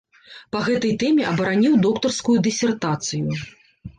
Па гэтай тэме абараніў доктарскую дысертацыю.